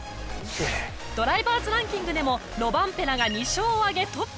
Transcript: ドライバーズランキングでもロバンペラが２勝を挙げトップ。